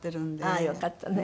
ああよかったね。